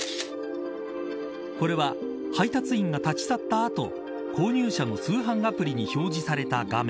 これは配達員が立ち去った後購入者の通販アプリに表示された画面。